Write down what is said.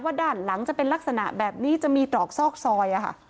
ด้านหลังจะเป็นลักษณะแบบนี้จะมีตรอกซอกซอย